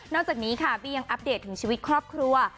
จากนี้ค่ะบี้ยังอัปเดตถึงชีวิตครอบครัว